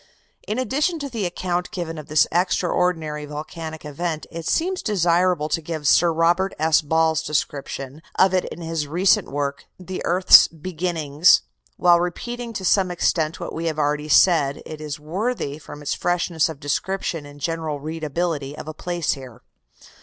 In addition to the account given of this extraordinary volcanic event, it seems desirable to give Sir Robert S. Ball's description of it in his recent work, "The Earth's Beginnings." While repeating to some extent what we have already said, it is worthy, from its freshness of description and general readability, of a place here.